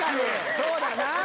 そうだな。え？